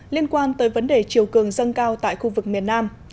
liên quan tới vấn đề chiều cường dâng cao tại khu vực miền nam